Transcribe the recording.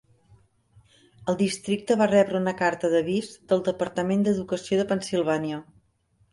El districte va rebre una carta d'"Avís" del Departament d'Educació de Pennsilvània.